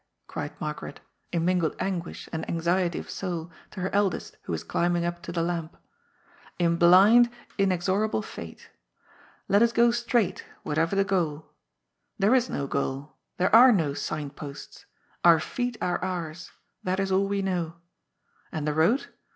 " cried Margaret, in mingled anguish and anxiety of soul, to her eldest, who was climbing up to the lamp —" in blind, in exorable Pate. Let us go straight, whatever the goal. There is no goal; there are no sign posts. Oar feet are ours. That is all we know. And the road